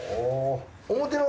表の。